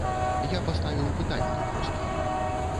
Я паставіў пытанні проста.